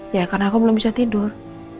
ya karena aku belum bisa tidur